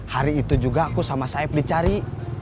hari itu juga aku sama saib dicari